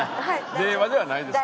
令和ではないですか。